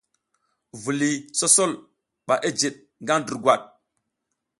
Viliy sosol ɓa jid ngaƞ durgwad.